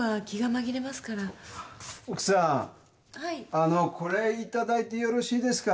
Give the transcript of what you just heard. あのこれいただいてよろしいですか？